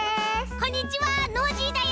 こんにちはノージーだよ。